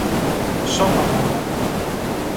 Σώπα, Μάγκα!